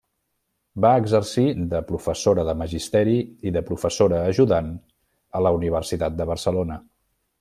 Va exercir de professora de magisteri i de professora ajudant a la Universitat de Barcelona.